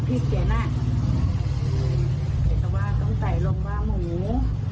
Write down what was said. พักเว็บพักเอ่ยทับพริกเตี๋ยวน่ะแต่ว่าต้องใส่ลงว่าหมู